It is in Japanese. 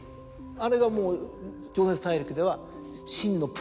あれがもう『情熱大陸』では。